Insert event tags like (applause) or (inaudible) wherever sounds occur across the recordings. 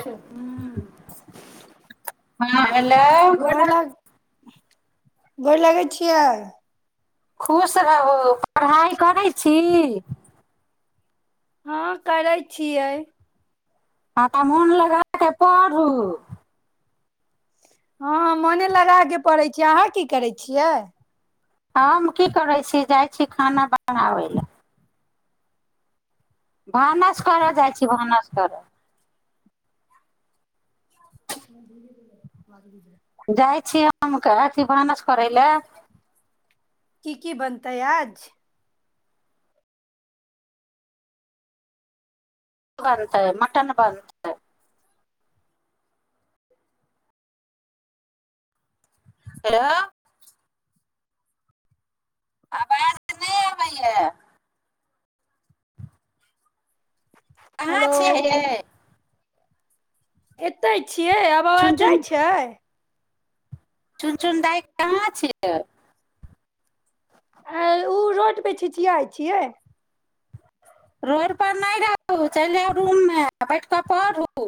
हँ ह हँ हेलो गोर लागे गोर लगै छि यै खुश रहु पढ़ाइ करै छी हँ करै छियै आ त मोन लगााक पढ़ू हँ मोने लगाबके पड़ै छै अहाँ की करै छियै हम की करै छी जाइ छी खाना बनाबै लऽ भानस करय जाइ छी भानस करऽ (unintelligible) जाइ छीय हमके अथि भानस करैय ले की की बनतै आज फरतै मटन बनतै हेय अबाज नइ आबै य कहाँ हेलो छै ये ऐतय छियै आब चुन आाबाज जाइ चुन छै चुन चुन दाइ कहाँ छियै आ‌ंय उ रोड पे छिछियै छियै रोड परर नहि रहू चलि जाउ रूममे बैठ कऽ पढ़ू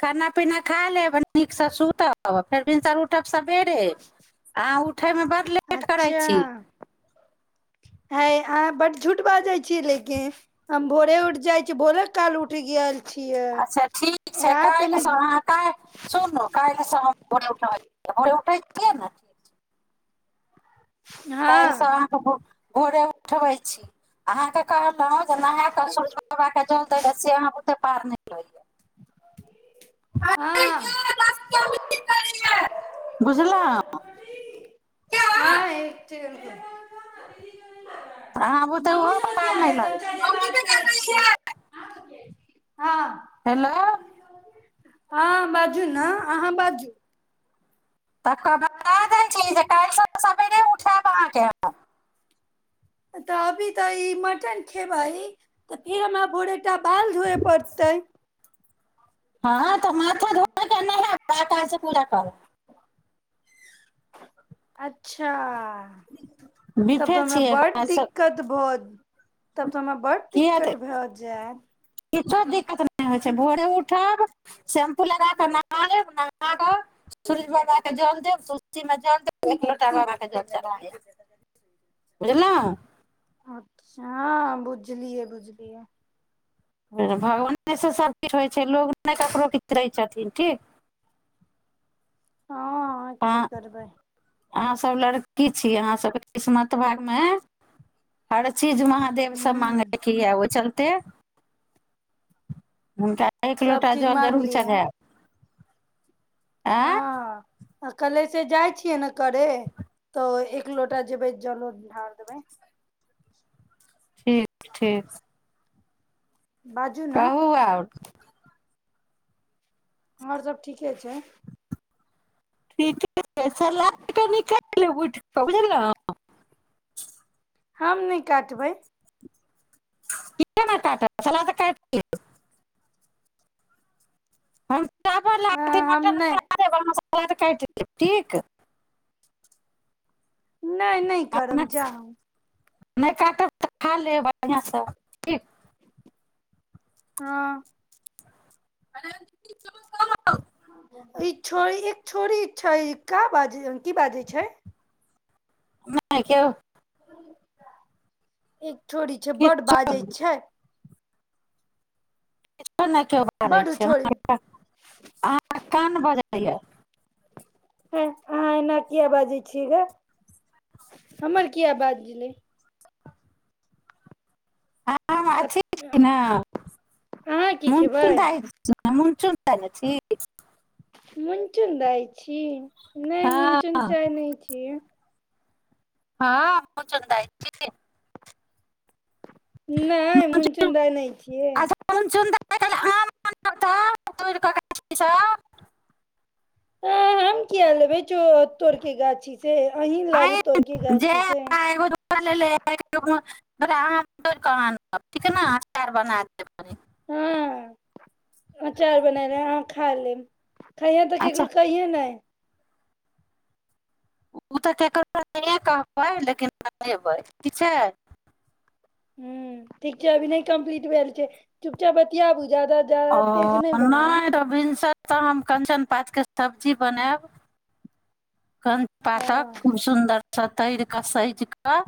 खाना पीना खा लेब नीकसँ सुतब फेर भिनसर उठब सभ सवेरे अहाँ उठैमे बड लेट करै अच्छा छी है अहाँ बड झूठ बाजे छीै लेकिन हम भोरे उठ जाय छी भोरे काल उठ गेल छियै अच्छा ठीक छै रात मे काल्हिसँ अहाँ काल्हि सुनू काल्हिसँ हम भोरे उठब भोरे उठै छिय ने काल्हिसँ हँ भोरे उठबै छी अहाँके कहलहुं जे नहा क सूर्य बाबा के जल दैले से आहाँ बुते पार नहि लगैया हँ हँ बुझलहुँ हँ एकटे (inaudible) अहाँ बुते ओहो पार नहि लगैत हम बात जेबे करै करबै यै छियै हेलो हंँ बाजू ने अहाँ बाजू तखन बता दै छी जे काल्हिसँ सवेरे उठायब अहाँकेँ हम तऽ अभी तऽ ई मटन खेबै तऽ फिर हमरा भोरे तऽ बाल धोए पड़तै हँ तऽ माथा धोए के नहायब तें कायल सँ पूजा करब अच्छा तब तऽ बिफे हमरा छियै बड काल्हिसँ दिक्कत भ तब तऽ हमरा बड किया तऽ दिक्कत भए जायब किछो दिककत नहि नहि होइ छै भोर उठब शैम्पू लगा कऽ नहा लेब नहा कऽ सूरज बाबा के जल देब तुलसी मे जल देब एक लोटा बाबा कऽ जल चढ़ा आयब बुझलहुंँ अच्छा हँ बुझलियै बुझलियै हँ भगवाने सब चीज होइ छै लोग नहि ककरो कितरै छथिन ठीक हँ हँ की अहाँ करबै अहाँ सब लड़की छी आहाँ सबके किस्मत भाग मे हर छ चीज महादेव सब हूँ माँगैके या ओ चल तेँ हुनका एक सब लोटा चीज जल जरूर मांगलियै चढायब आँ एखने जाइ छियै ने करे तऽ एक लोटा जेबै जलो ढार देबै ठीक ठीक बाजू ने कहू आओर और सब ठीके छै (unintelligible) हम नहि काटबै (unintelligible) हुँ हँ हम ने (unintelligible) ठीक नहि नहि करब जा नै काटब त खा लेब बढियाँ स हाँ (unintelligible) ई छोड़ एक छोड़ छै क बाज की बाजै छै (unintelligible) ठीक छोरी छै बड किछो बाजै नहि छै बड छोरी (unintelligible) हँ अहाँ एना किएक बाजै छियै ग हमर किएक बाजैए छी हम अथी छ अहाँ न की खेबै (unintelligible) मुनचुन दाई छी नहि मून हँ चून दाई नहि छी अऽ अहां कतह जाय छी नहि मुञचुन मुनचुन दाइ न छियै अच्छा (unintelligible) ह हम क ह लेबै चो तोर के गाछी से अहीं लाबू तोर की आनि जे गाछी छै हमरा (unintelligible) हँ अचार बना ले ह खा लेम खैय तऽ केकरो अच्छा कहिये ने (unintelligible) ह ठीक छै अभी नहि कंप्लीट भेलल छै चुपचाप बतियाब ओ नहि तऽ भिनसर कतय हम कञ्चन पातके सब्जी बनायब क पाातक हँ खूब सुन्दर छथि तर क सज कऽ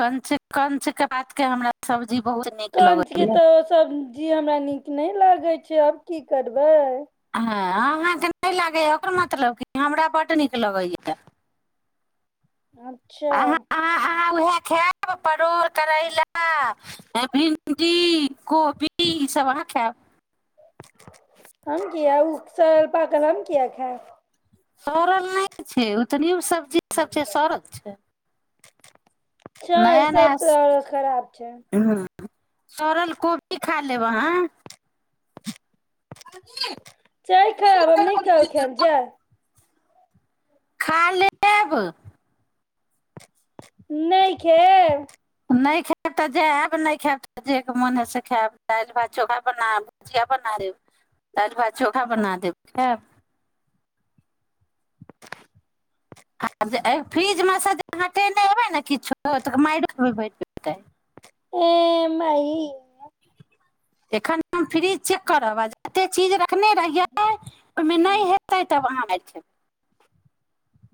कंच कंच के पात के हमरा सब्जी बहुत नीक कानचके लगैया तऽ सब जी हमरा नीक नहि लागै छै आब की करबै हँ अहाँकेँ नहि लागैए ओकर मतलब कि हमरा बड्ड नीक लगैए अच्छा उह खायब परोर करैला ए भिन् भिणडी कोबी ई सब अहाँ खायब हम किया उसभ पाकल हम किया खायब सड़ल नहि छै उतनी सब्जी सब छै सड़ल छै छै नया नया सब खराब छै हँ सड़ल कोबी खा लेब अहाँ छै खराब हम न कह खायब जा खा लेब नहि खाएब नहि खायब तऽ जा आयब नहि खायब तऽ जे मोन हइ से खायब दालि भात चोखा बनायब भुजिया बना देब दालि भात चोखा बना देब खायब (unintelligible) (unintelligible) आ जे एहि फ्रिजमे सँ जे हटेएबै ने किछो तऽ मारि बट पतै हंए माइ एखन हम फ्रिज चेक करब जते चीज रखने रहियै ओहिमे नहि हेतै तब अहाँ अच्छा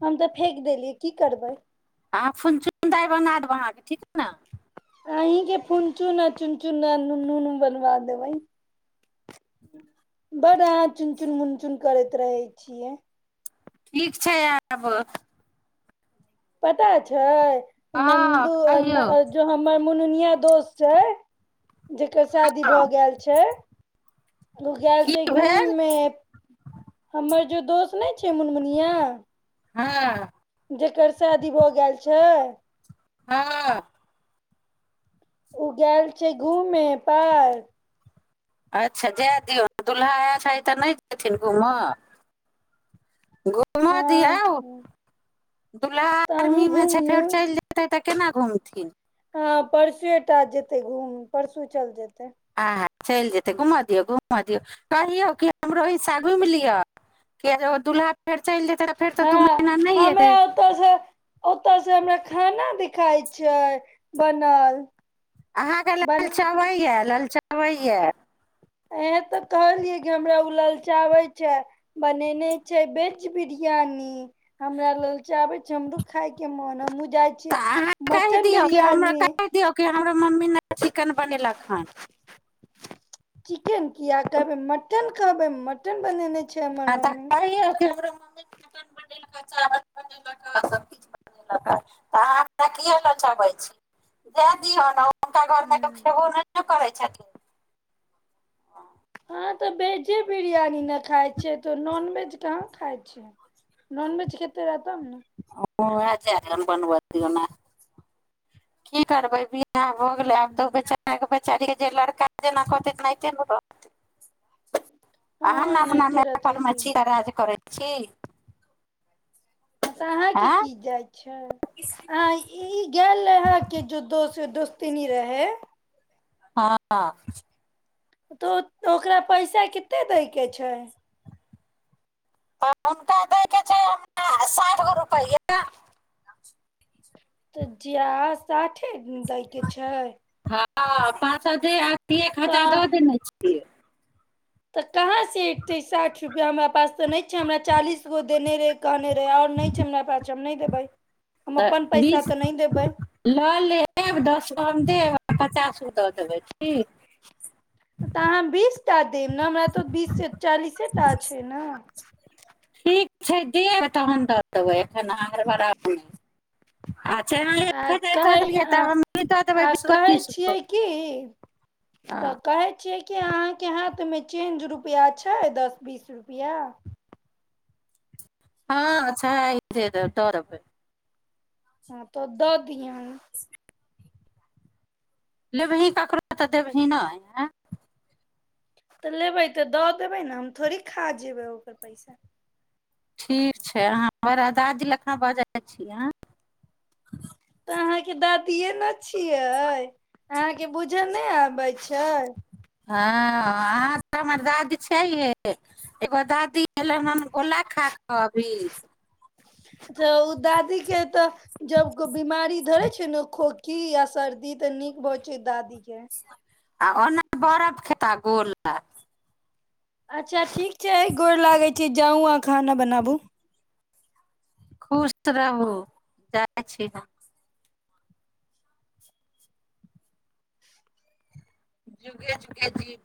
हम तऽ फेेक देलियै की करबै अहाँ फुन चुन दाइ बगा देब अहाँकेँ ठीक छै ने अन्हि के फुनचून आ चुन चुना नूनूनू बनवा देब ह बड़ अहाँ चुन चुन मुन चुन करैत रहै छियै ठीक छै आब पता छै हँ नन्दू कहियौ जो हमर मुननिया दोस छै जकर शादी भऽ गेल छै ओ गेल की छै घूम भेल मे हमर जो दोस्त ने चे मुन मणिया हँ जकर शादी भऽ गेल छै हँ ओ गेल छै घूमे पर अच्छा जाय दियौ दुूल्हा आय छै तऽ नहि जेयथिन घूमऽ घुमऽ हँ दियऔ दुलहा तऽ अहूँ आर्मी मे छै घुमियौ फेर चलि जेतै तऽ केना घुमथिन हँ परसुए टा जेते घूम परसू चल जेतै आ ह चलि जेतै घूमऽ दियौ घूम दियौ कहियौ कि हमरो हिस्सा घुमि लिअ किए दुल्हा फेर चलि जेतै तऽ फेर तऽ हँ दू महीना नहि एतै हमरा ओतऽ से ओतऽ से हमरा खाना देखााय छै बनल अहाँके बन लाल चावइ यए लाल चा तबय इहें तऽ कहलियै कि हमरा ओ लाल चाबै छै बनेने छै वेज बिरियानी हमरा लालचाबे छै हमरो खाय के मोन ह तऽ अहाँ कहि दियऔ हमरा कहि दियऔ कि हमर मम्मी नहि चिकेन पनीला खान चिकेन किया कहबै मटन कहबै मटन बनेने छै आ हमर मम्मी तली मनेलक चावल बनेलक सबकछ बनेलक तऽ अहाँ हमरा कए ल चबे छी द दिय ने हुनका घरमे तऽ खेबो नहि कहै छथिन अहाँ तऽ वेजे बिरियानी नहि खाइ छियै तऽ नॉनवेज कहाँ खाइ छ नॉनवेज खेते रह तब ने ओ चन बनबऔ ने की करबै भी इ हो गेलै आब तऽ बेचार च जे लड़का जेना कहतैनात हमह हँ ने अपना एनाहिते माय रहतै की परमछीके राज करैत छी ह तऽ अहाँके आँय की जाइ छै अहाँ ई गेल रहेहा के जो दोस्त दोस्तनी रहे हँ तऽ ओकरा पैसा कतेक दैके छै तऽ हुनका दै के छै साठि गो रुपैआ न तऽ जिय साठे दैके छै ह पाँच एक हजार तऽ दऽ देने छियै तऽ कहाँ से एकतै सा रुपैआ हमरा पास तऽ नहि छै हमरा चालीस गो देने रहै कहने रहै आओर नहि छै हमरा पास हम नहि देबै हम तऽ अपन पैसा बीस तऽ नहि देबै लऽ लेब दस कम देब पचास गो दऽ देबै ठीक तऽ अहाँ बीस टा देब ने हमरा तऽ बीस चालीसेटा छै ने से दे तहन दऽ देबै एखन अहाँ बराबर नहि आ चाहे आ एक हजार दऽ कहे देलियै तऽ हम नहि दऽ देबै आ बीस गो कहै तीस गो छियै क तऽ कहै छियै क अहाँके हाथमे चेन्ज रुपैआ छै दस बीस रुपैआ हँ अच्छा है इर तौर हँ तऽ ओ द दिय लेबही ककरो तऽ देबही नहि आ तऽ लेबै तऽ दऽ देबै ने हम थोड़ी खा जेबै ओकर पैसा ठीक छै अहाँ हमड़ अ दाज लखा बऽ जाइ छी अह तऽ अहाँके द ए ने छियै हँ के बूझन नहि आबैज छार हँ अहाँ तऽ हमर दादी छिय ये एगो दादी एयलनि हन गोला खा कऽ अभी तऽ ओ दादी के तऽ जब को बिीमारी धरे छै ने खो की आ सर्दी तऽ नीक भऽ छै दादी क आ ओना बरफ खेता गोल ल अच्छा ठीक छै गोर लागैत छै जाउ अहाँ खाना बनाबू खुश रहू जाइ छी ने जुगे जुगे जी